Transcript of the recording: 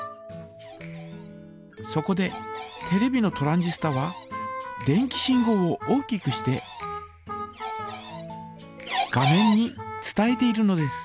そこでテレビのトランジスタは電気信号を大きくして画面に伝えているのです。